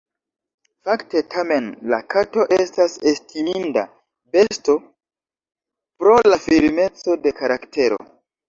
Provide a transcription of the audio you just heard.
Fakte tamen la kato estas estiminda besto pro la firmeco de karaktero.